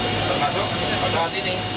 termasuk pesawat ini